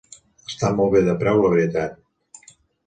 Està molt bé de preu la veritat.